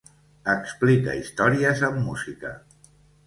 Explica històries amb música.